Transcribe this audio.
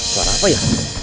suara apa ya